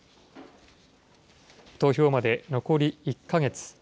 投票まで残り１か月。